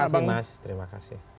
terima kasih mas terima kasih